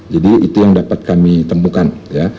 jadi itu yang dapat kami temukan ya